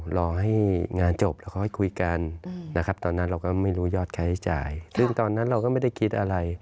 รอให้งานจบแล้วค่อยคุยกันนะครับตอนนั้นเราก็ไม่รู้ยอดค่าใช้จ่ายซึ่งตอนนั้นเราก็ไม่ได้คิดอะไร